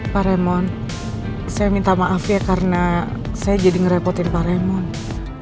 pak remon saya minta maaf ya karena saya jadi ngerepotin pak remon